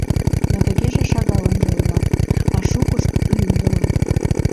Но тыгеже шагалынже ойлат, а шукышт — лӱмдылын.